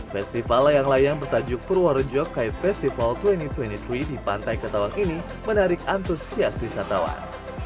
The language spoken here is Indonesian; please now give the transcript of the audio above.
festival layang layang bertajuk purworejo kaif festival dua ribu dua puluh tiga di pantai ketawang ini menarik antusias wisatawan